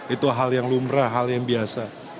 itu hal yang lumrah hal yang biasa